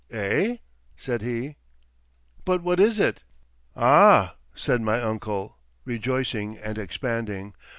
"Eh?" said he. "But what is it?" "Ah!" said my uncle, rejoicing and expanding.